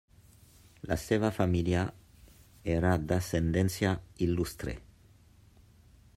La seva família era d'ascendència il·lustre.